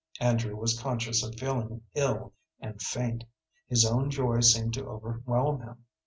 Andrew was conscious of feeling ill and faint. His own joy seemed to overwhelm him.